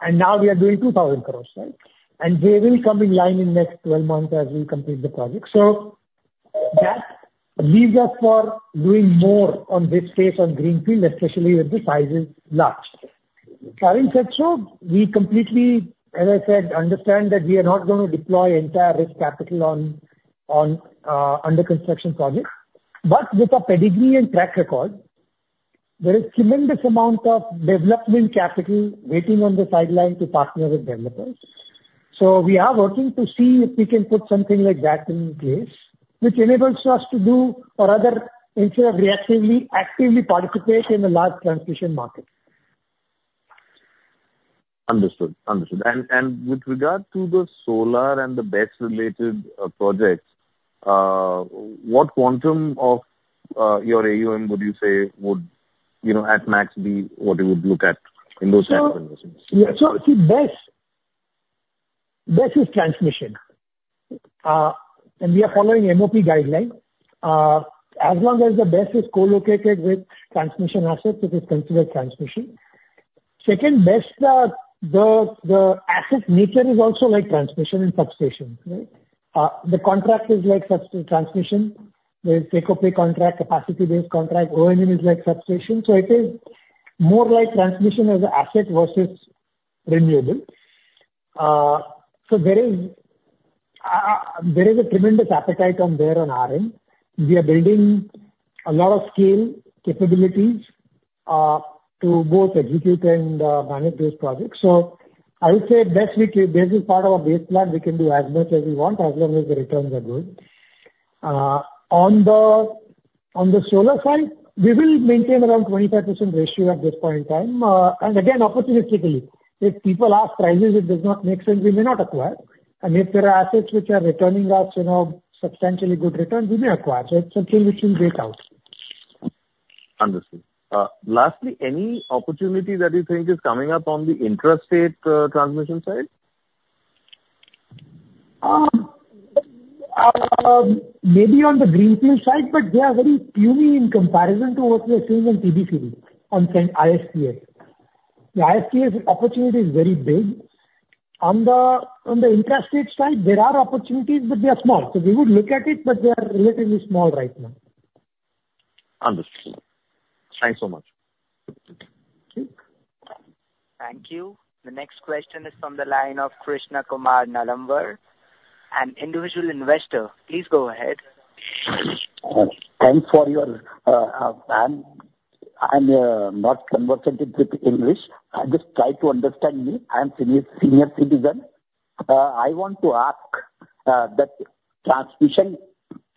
[SPEAKER 3] and now we are doing 2,000 crore, right? And they will come in line in next 12 months as we complete the project. So that leaves us for doing more on this space on greenfield, especially if the size is large. Having said so, we completely, as I said, understand that we are not going to deploy entire risk capital on under construction projects. But with a pedigree and track record, there is tremendous amount of development capital waiting on the sideline to partner with developers. So we are working to see if we can put something like that in place, which enables us to do or other, instead of reactively, actively participate in the large transmission market.
[SPEAKER 2] Understood. Understood. And with regard to the solar and the BESS-related projects, what quantum of your AUM would you say would, you know, at max, be what you would look at in those type of investments?
[SPEAKER 3] So, yeah, so see, BESS, BESS is transmission. And we are following MoP guidelines. As long as the BESS is co-located with transmission assets, it is considered transmission. Second, BESS, the asset nature is also like transmission and substation, right? The contract is like sub-transmission. There is take-or-pay contract, capacity-based contract. O&M is like substation, so it is more like transmission as a asset versus renewable. So there is a tremendous appetite on there on RM. We are building a lot of scale capabilities to both execute and manage these projects. So I would say BESS, BESS is part of our base plan. We can do as much as we want, as long as the returns are good. On the solar side, we will maintain around 25% ratio at this point in time. And again, opportunistically, if people ask prices, it does not make sense, we may not acquire. And if there are assets which are returning us, you know, substantially good returns, we may acquire. So it's something which we'll weigh out.
[SPEAKER 2] Understood. Lastly, any opportunity that you think is coming up on the intrastate transmission side?
[SPEAKER 3] Maybe on the greenfield side, but they are very puny in comparison to what we are seeing on TBCB, on ISTS. The ISTS opportunity is very big. On the intrastate side, there are opportunities, but they are small. So we would look at it, but they are relatively small right now.
[SPEAKER 2] Understood. Thanks so much.
[SPEAKER 3] Okay.
[SPEAKER 1] Thank you. The next question is from the line of Krishna Kumar Nalamwar, an individual investor. Please go ahead.
[SPEAKER 10] Thanks for your, not conversant with English. Just try to understand me. I'm senior, senior citizen. I want to ask, that transmission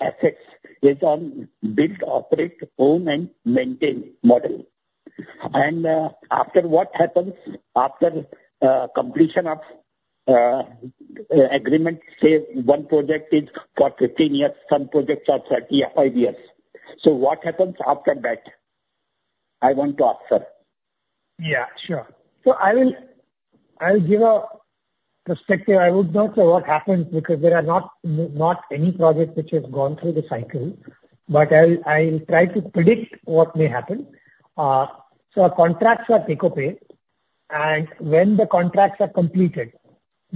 [SPEAKER 10] assets is on build, operate, own and maintain model. And, after what happens after, completion of, agreement, say, one project is for 15 years, some projects are 30 or 5 years. So what happens after that? I want to ask, sir.
[SPEAKER 3] Yeah, sure. So I will give a perspective. I would not say what happens because there are not any project which has gone through the cycle, but I'll try to predict what may happen. So our contracts are take-or-pay, and when the contracts are completed,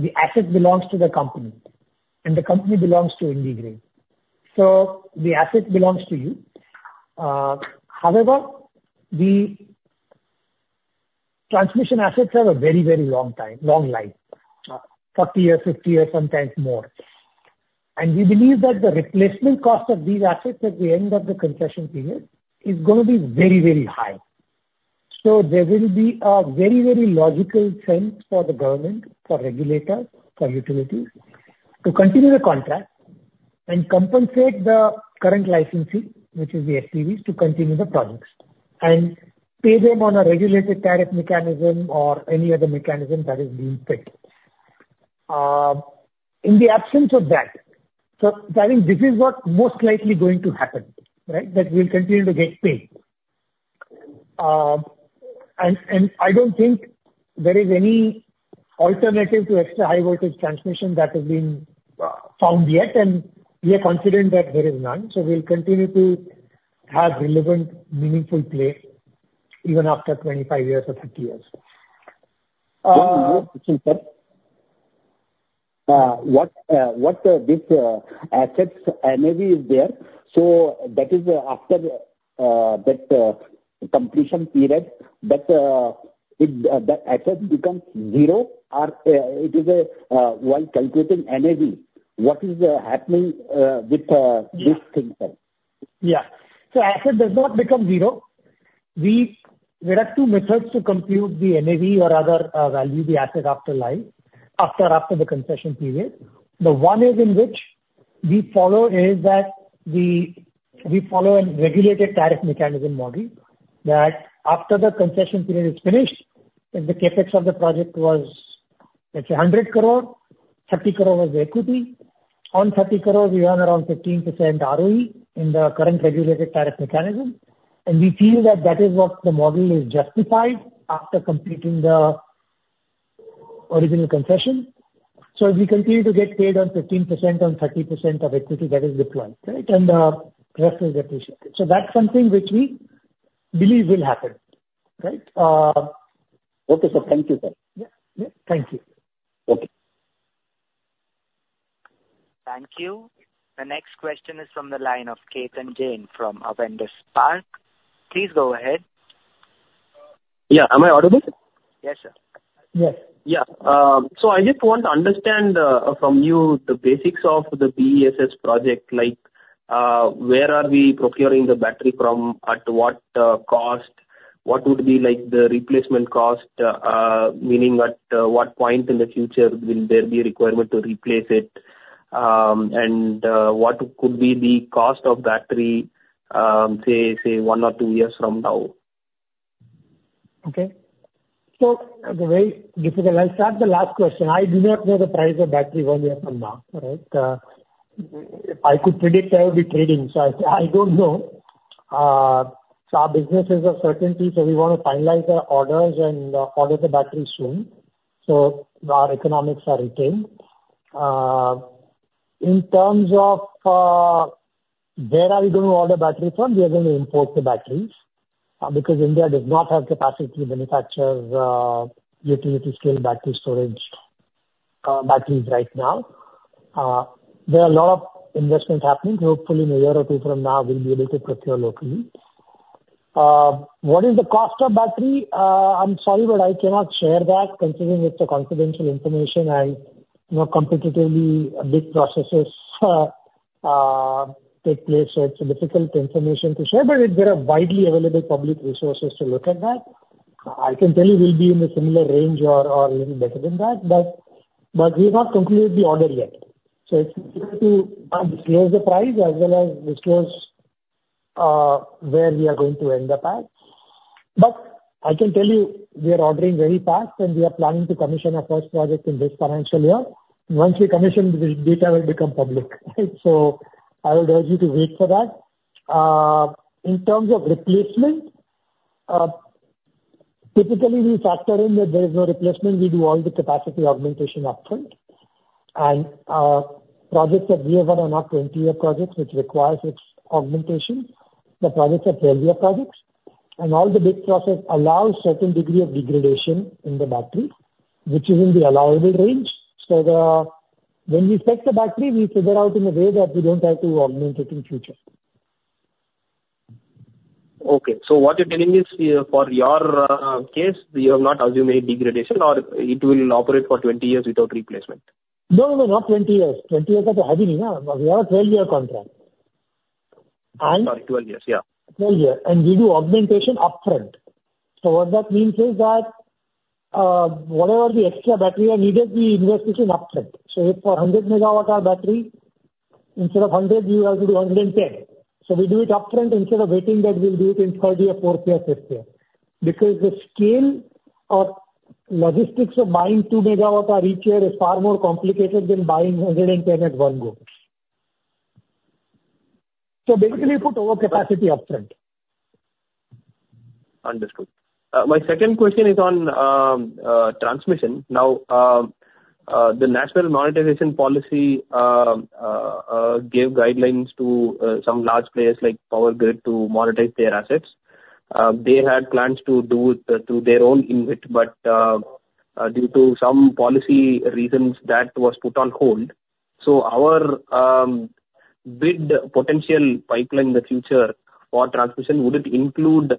[SPEAKER 3] the asset belongs to the company, and the company belongs to IndiGrid. So the asset belongs to you. However, the transmission assets have a very, very long life, 40 years, 50 years, sometimes more. And we believe that the replacement cost of these assets at the end of the concession period is gonna be very, very high. So there will be a very, very logical sense for the government, for regulators, for utilities to continue the contract and compensate the current licensee, which is the SPVs, to continue the projects and pay them on a regulated tariff mechanism or any other mechanism that is being fit. In the absence of that, so I think this is what most likely going to happen, right? That we'll continue to get paid. And I don't think there is any alternative to extra high voltage transmission that has been found yet, and we are confident that there is none. So we'll continue to have relevant, meaningful play even after 25 years or 50 years.
[SPEAKER 10] One more question, sir. What is this asset's NAV there, so that is after that completion period, but that asset becomes zero or is it while calculating NAV, what is happening with this thing, sir?...
[SPEAKER 3] Yeah. So asset does not become zero. We, there are two methods to compute the NAV or other value the asset after life, after, after the concession period. The one is in which we follow is that we, we follow a regulated tariff mechanism model, that after the concession period is finished, if the CapEx of the project was, let's say, 100 crore, 30 crore was equity. On 30 crore, we earn around 15% ROE in the current regulated tariff mechanism, and we feel that that is what the model is justified after completing the original concession. So we continue to get paid on 15% on 30% of equity that is deployed, right? And rest is appreciated. So that's something which we believe will happen, right?
[SPEAKER 10] Okay, sir. Thank you, sir.
[SPEAKER 3] Yeah. Yeah, thank you.
[SPEAKER 10] Okay.
[SPEAKER 1] Thank you. The next question is from the line of Ketan Jain from Avendus Spark. Please go ahead.
[SPEAKER 11] Yeah, am I audible?
[SPEAKER 1] Yes, sir.
[SPEAKER 3] Yes.
[SPEAKER 11] Yeah. So I just want to understand from you the basics of the BESS project like where are we procuring the battery from, at what cost? What would be like the replacement cost, meaning at what point in the future will there be a requirement to replace it? And what could be the cost of battery, say, one or two years from now?
[SPEAKER 3] Okay. So very difficult. I'll start the last question. I do not know the price of battery one year from now, all right? If I could predict, I would be trading, so I don't know. So our business is a certainty, so we want to finalize the orders and order the battery soon, so our economics are retained. In terms of where are we going to order battery from? We are going to import the batteries because India does not have capacity to manufacture utility scale battery storage batteries right now. There are a lot of investments happening. Hopefully, in a year or two from now, we'll be able to procure locally. What is the cost of battery? I'm sorry, but I cannot share that, considering it's a confidential information and, you know, competitively, a bid processes take place. So it's a difficult information to share, but there are widely available public resources to look at that. I can tell you we'll be in a similar range or, or even better than that, but, but we've not concluded the order yet, so it's difficult to disclose the price as well as disclose where we are going to end up at. But I can tell you, we are ordering very fast, and we are planning to commission our first project in this financial year. Once we commission, the data will become public, right? So I would urge you to wait for that. In terms of replacement, typically, we factor in that there is no replacement. We do all the capacity augmentation upfront. Projects that we have are not 20-year projects which requires its augmentation. The projects are 12-year projects, and all the bid process allows certain degree of degradation in the battery, which is in the allowable range. So the, when we set the battery, we figure out in a way that we don't have to augment it in future.
[SPEAKER 11] Okay, so what you're telling is, for your case, you have not assumed any degradation, or it will operate for 20 years without replacement?
[SPEAKER 3] No, no, not 20 years. 20 years, hasn't even, we have a 12-year contract. And-
[SPEAKER 11] Sorry, 12 years. Yeah.
[SPEAKER 3] 12-year. We do augmentation upfront. So what that means is that, whatever the extra battery are needed, we invest it in upfront. So if for 100 MWh battery, instead of 100, you have to do 110. So we do it upfront instead of waiting that we'll do it in third year, fourth year, fifth year. Because the scale of logistics of buying 2 MWh each year is far more complicated than buying 110 at one go. So basically, we put overcapacity upfront.
[SPEAKER 11] Understood. My second question is on transmission. Now, the National Monetization Policy gave guidelines to some large players, like Power Grid, to monetize their assets. They had plans to do it to their own InvIT, but due to some policy reasons, that was put on hold. So our bid potential pipeline in the future for transmission, would it include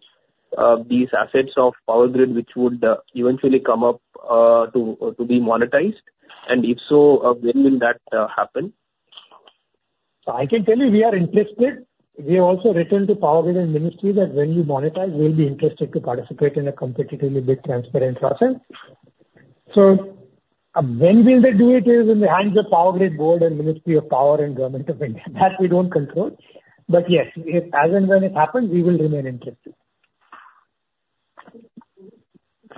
[SPEAKER 11] these assets of Power Grid, which would eventually come up to be monetized? And if so, when will that happen?
[SPEAKER 3] So I can tell you, we are interested. We have also written to Power Grid and Ministry that when you monetize, we'll be interested to participate in a competitively bid, transparent process. So when will they do it is in the hands of Power Grid board and Ministry of Power and Government of India. That we don't control. But yes, if, as and when it happens, we will remain interested.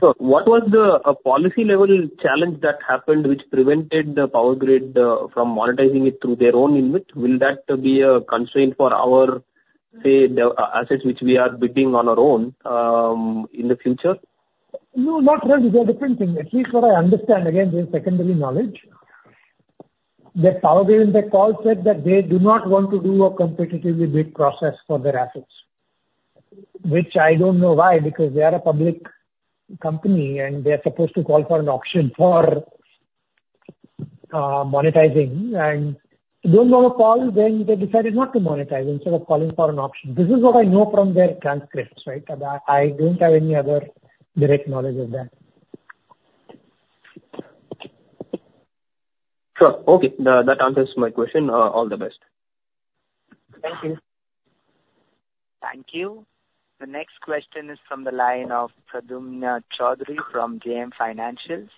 [SPEAKER 11] What was the policy-level challenge that happened which prevented the Power Grid from monetizing it through their own InvIT, which will that be a constraint for our assets which we are bidding on our own in the future?
[SPEAKER 3] No, not really. They're different things. At least what I understand, again, with secondary knowledge, that Power Grid in the call said that they do not want to do a competitively bid process for their assets. Which I don't know why, because they are a public company, and they're supposed to call for an auction for monetizing, and don't know the call, then they decided not to monetize instead of calling for an auction. This is what I know from their transcripts, right? I don't have any other direct knowledge of that....
[SPEAKER 11] Sure. Okay, that answers my question. All the best.
[SPEAKER 3] Thank you.
[SPEAKER 1] Thank you. The next question is from the line of Pradyumna Choudhary from JM Financial.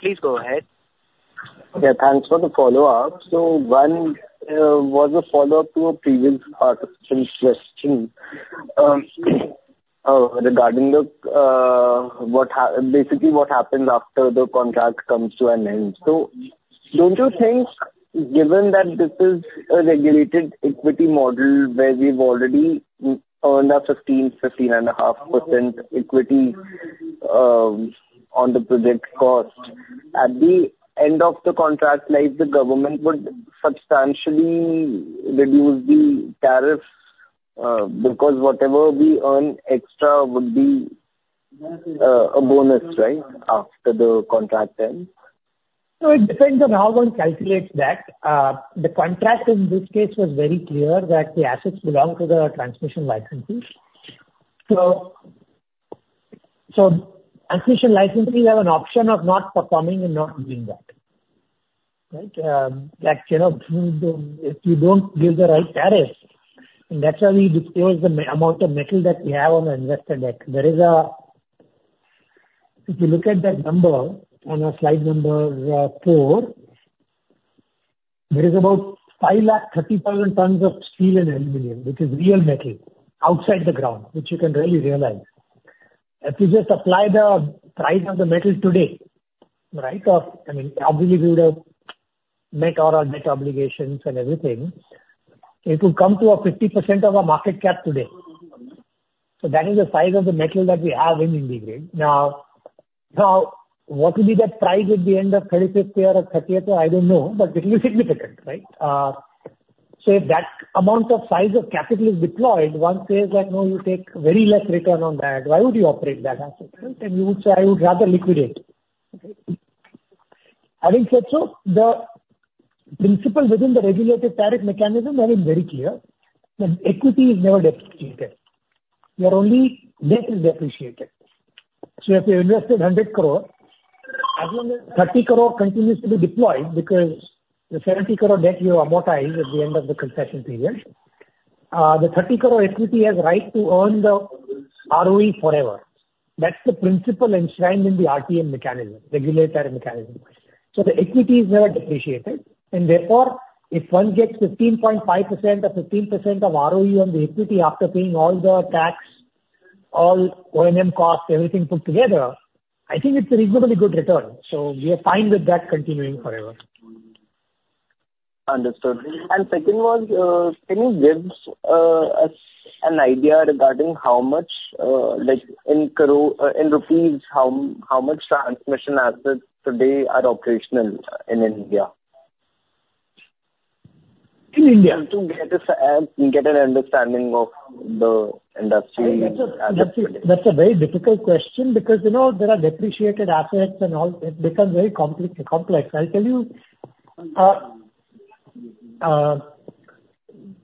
[SPEAKER 1] Please go ahead.
[SPEAKER 8] Yeah, thanks for the follow-up. One was a follow-up to a previous participant's question regarding what basically happens after the contract comes to an end. Don't you think, given that this is a regulated equity model where we've already earned a 15-15.5% equity on the project cost, at the end of the contract life, the government would substantially reduce the tariffs because whatever we earn extra would be a bonus, right? After the contract ends.
[SPEAKER 3] It depends on how one calculates that. The contract in this case was very clear that the assets belong to the transmission licensees. So transmission licensees have an option of not performing and not doing that, right? Like, you know, if you don't give the right tariffs, and that's why we disclose the amount of metal that we have on the investor deck. If you look at that number on slide number four, there is about 530,000 tons of steel and aluminum, which is real metal outside the ground, which you can really realize. If you just apply the price of the metal today, right, or, I mean, obviously, we would've met our debt obligations and everything, it would come to 50% of our market cap today. So that is the size of the metal that we have in IndiGrid. Now, what will be that price at the end of 35th year or 30th year? I don't know, but it will be significant, right? So if that amount of size of capital is deployed, one says that, "No, you take very less return on that. Why would you operate that asset?" Right? And you would say, "I would rather liquidate." Okay. Having said so, the principle within the regulated tariff mechanism is very clear, that equity is never depreciated. Your only debt is depreciated. So if you invested 100 crore, 30 crore continues to be deployed because the 70 crore debt you amortize at the end of the concession period. The 30 crore equity has right to earn the ROE forever. That's the principle enshrined in the RTM mechanism, regulatory mechanism. So the equity is never depreciated, and therefore, if one gets 15.5% or 15% of ROE on the equity after paying all the tax, all O&M costs, everything put together, I think it's a reasonably good return. So we are fine with that continuing forever.
[SPEAKER 8] Understood. And second one, can you give us an idea regarding how much, like, in rupees, how much transmission assets today are operational in India?
[SPEAKER 3] In India?
[SPEAKER 8] To get an understanding of the industry.
[SPEAKER 3] That's a very difficult question because, you know, there are depreciated assets and all, it becomes very complex. I'll tell you, the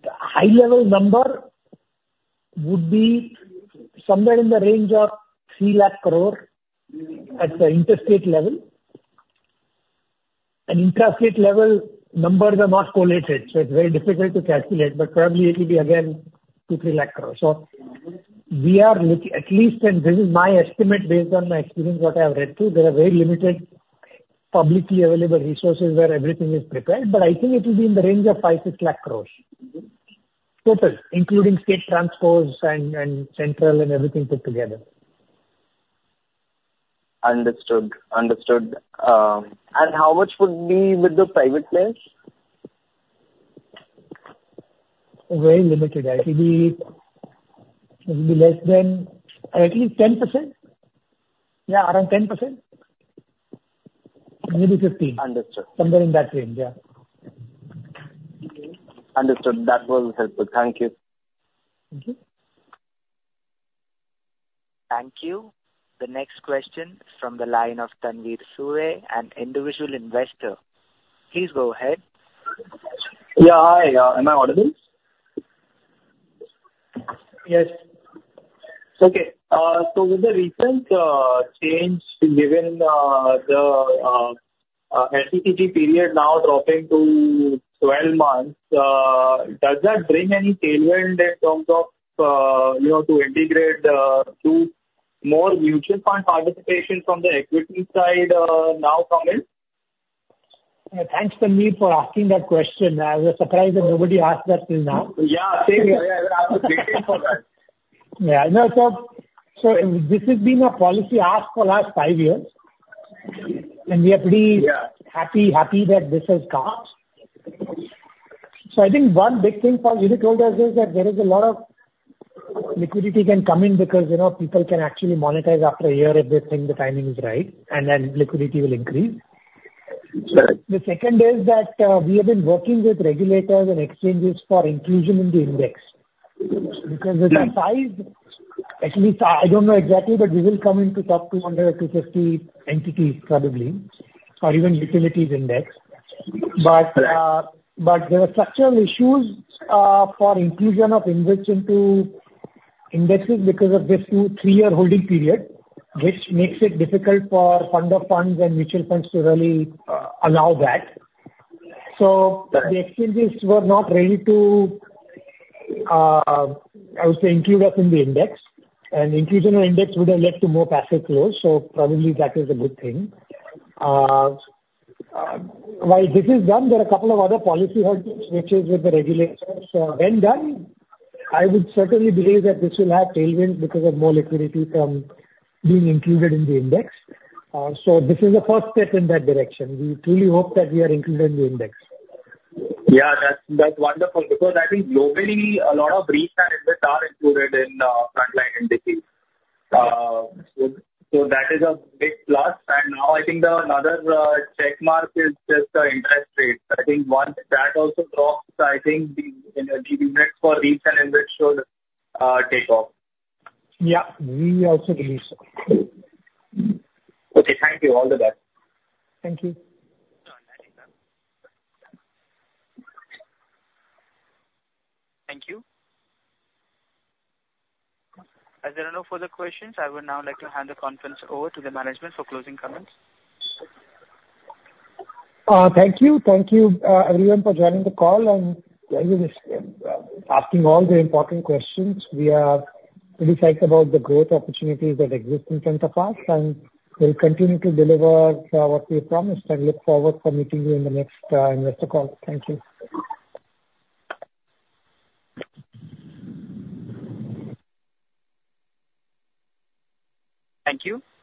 [SPEAKER 3] high level number would be somewhere in the range of 300,000 crore at the interstate level. And intrastate level, numbers are not collated, so it's very difficult to calculate, but probably it will be again 200,000 crore-300,000 crore. So we are looking at least, and this is my estimate based on my experience, what I have read too, there are very limited publicly available resources where everything is prepared, but I think it will be in the range of 500,000 crore-600,000 crore. Total, including state transcos and central and everything put together.
[SPEAKER 8] Understood. Understood. How much would be with the private players?
[SPEAKER 3] Very limited. It will be, it will be less than at least 10%. Yeah, around 10%. Maybe 15.
[SPEAKER 8] Understood.
[SPEAKER 3] Somewhere in that range, yeah.
[SPEAKER 8] Understood. That was helpful. Thank you.
[SPEAKER 3] Thank you.
[SPEAKER 1] Thank you. The next question is from the line of Tanvir Surve, an individual investor. Please go ahead.
[SPEAKER 12] Yeah. Hi, am I audible?
[SPEAKER 3] Yes.
[SPEAKER 12] Okay, so with the recent change given, the STCG period now dropping to 12 months, does that bring any tailwind in terms of, you know, to integrate to more mutual fund participation from the equity side, now coming?
[SPEAKER 3] Thanks, Tanvir, for asking that question. I was surprised that nobody asked that till now.
[SPEAKER 12] Yeah, same here. I was waiting for that.
[SPEAKER 3] Yeah. No, so, so this has been a policy asked for last five years, and we are pretty-
[SPEAKER 12] Yeah.
[SPEAKER 3] Happy, happy that this has come. I think one big thing for unit holders is that there is a lot of liquidity can come in, because, you know, people can actually monetize after a year if they think the timing is right, and then liquidity will increase.
[SPEAKER 12] Correct.
[SPEAKER 3] The second is that, we have been working with regulators and exchanges for inclusion in the index.
[SPEAKER 12] Mm-hmm.
[SPEAKER 3] Because with the size, at least, I don't know exactly, but we will come into top 200-250 entities probably, or even utilities index.
[SPEAKER 12] Correct.
[SPEAKER 3] But there are structural issues for inclusion of IndiGrid into indexes because of this 2-3-year holding period, which makes it difficult for fund of funds and mutual funds to really allow that. So the exchanges were not ready to, I would say, include us in the index. And inclusion in index would have led to more passive flows, so probably that is a good thing. While this is done, there are a couple of other policy hurdles which is with the regulators. When done, I would certainly believe that this will have tailwind because of more liquidity from being included in the index. So this is the first step in that direction. We truly hope that we are included in the index.
[SPEAKER 12] Yeah, that's, that's wonderful because I think globally, a lot of REITs and infrastructure are included in frontline indices. So, so that is a big plus. And now I think the another check mark is just interest rates. I think once that also drops, I think the, you know, the index for REITs and infrastructure take off.
[SPEAKER 3] Yeah, we also believe so.
[SPEAKER 12] Okay, thank you. All the best.
[SPEAKER 3] Thank you.
[SPEAKER 1] Thank you. As there are no further questions, I would now like to hand the conference over to the management for closing comments.
[SPEAKER 3] Thank you. Thank you, everyone, for joining the call and asking all the important questions. We are pretty psyched about the growth opportunities that exist in front of us, and we'll continue to deliver what we promised, and look forward for meeting you in the next investor call. Thank you.
[SPEAKER 1] Thank you.